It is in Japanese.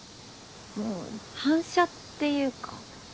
もう反射っていうか。